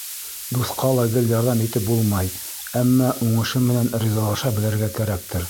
Дуҫҡа ла гел ярҙам итеп булмай, әммә уңышы менән ризалаша белергә кәрәктер.